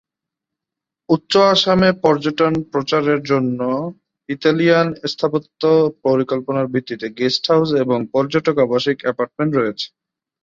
উচ্চ আসামে পর্যটন প্রচারের জন্য ইতালিয়ান স্থাপত্য পরিকল্পনার ভিত্তিতে গেস্ট হাউস এবং পর্যটক আবাসিক অ্যাপার্টমেন্ট রয়েছে।